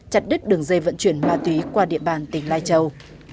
chặt đứt đường dây vận chuyển ma túy qua địa bàn tỉnh lai châu